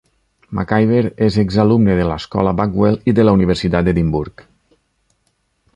McIver és exalumne de l'Escola Backwell i de la Universitat d'Edimburg.